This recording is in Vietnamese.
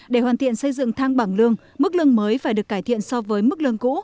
để hoàn thiện xây dựng thang bảng lương mức lương mới phải được cải thiện so với mức lương cũ